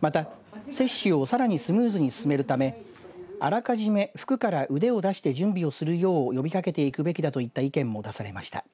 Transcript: また、接種をさらにスムーズに進めるためあらかじめ服から腕を出して準備をするよう呼びかけていくべきだといった意見も出されました。